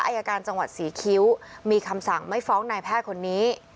อายการจังหวัดศรีคิ้วมีคำสั่งไม่ฟ้องนายแพทย์คนนี้